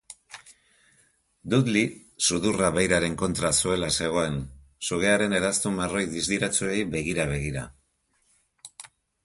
Dudley sudurra beiraren kontra zuela zegoen, sugearen eraztun marroi distiratsuei begira-begira.